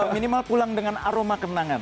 minimal pulang dengan aroma kenangan